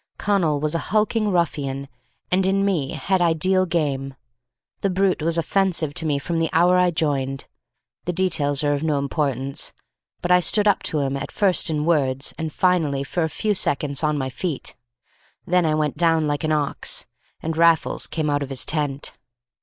Connal was a hulking ruffian, and in me had ideal game. The brute was offensive to me from the hour I joined. The details are of no importance, but I stood up to him at first in words, and finally for a few seconds on my feet. Then I went down like an ox, and Raffles came out of his tent.